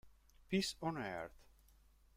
Peace on Earth